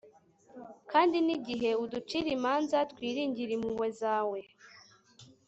kandi n'igihe uducira imanza twiringire impuhwe zawe